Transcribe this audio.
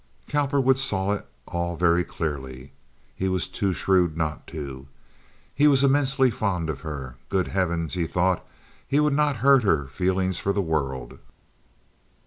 Cowperwood saw it all very clearly. He was too shrewd not to. He was immensely fond of her. Good heaven, he thought, he would not hurt her feelings for the world!